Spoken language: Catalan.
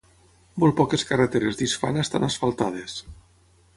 Molt poques carreteres d'Isfana estan asfaltades.